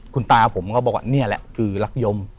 คุณตาผมก็บอกว่านี่แหละคือรักยม